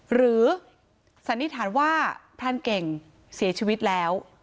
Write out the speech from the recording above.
สันนิษฐานว่าพรานเก่งเสียชีวิตแล้ว